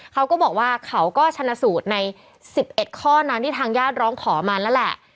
เขาก็บอกว่าเขาก็ชนะสูตรใน๑๑ข้อนั้นที่ทางญาติร้องขอมาแล้วแหละ